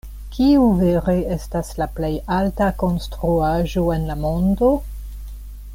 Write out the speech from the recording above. Kiu vere estas la plej alta konstruaĵo en la mondo?